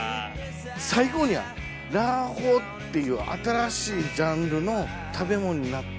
最後にはラーほーっていう新しいジャンルの食べ物になって。